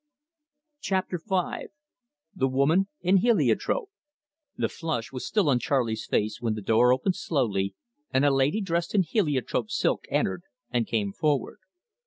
CHAPTER V. THE WOMAN IN HELIOTROPE The flush was still on Charley's face when the door opened slowly, and a lady dressed in heliotrope silk entered, and came forward.